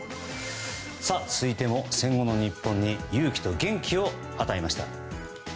続いては戦後の日本に勇気と元気を与えました。